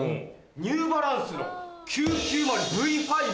ニューバランスの９９０ｖ５という。